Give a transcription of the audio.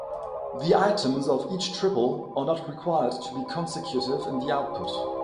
The items of each triple are not required to be consecutive in the output.